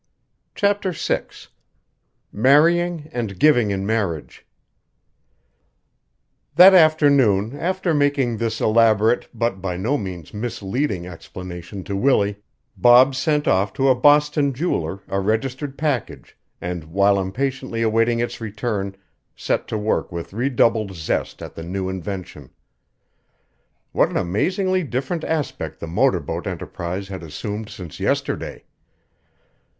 CHAPTER VI MARRYING AND GIVING IN MARRIAGE That afternoon, after making this elaborate but by no means misleading explanation to Willie, Bob sent off to a Boston jeweler a registered package and while impatiently awaiting its return set to work with redoubled zest at the new invention. What an amazingly different aspect the motor boat enterprise had assumed since yesterday!